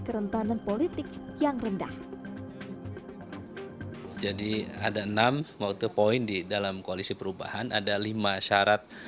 kerentanan politik yang rendah jadi ada enam mau topoint di dalam koalisi perubahan ada lima syarat